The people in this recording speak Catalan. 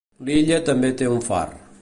L'illa també té un far.